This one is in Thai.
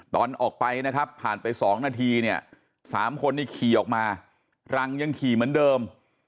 ตอนออกไปนะครับผ่านไป๒นาทีเนี่ย๓คนนี้ขี่ออกมารังยังขี่เหมือนเดิม